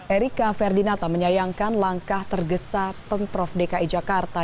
erika ferdinata menyayangkan langkah tergesa pemprov dki jakarta